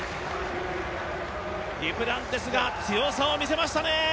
デュプランティスが強さを見せましたね。